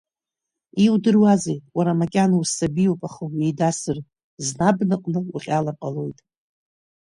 Иудыруазеи, уара макьана усабиуп, аха уҩеидасыр, зны абнаҟны уҟьалар ҟалоит.